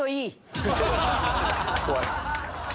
怖い。